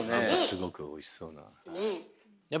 すごくおいしそうな。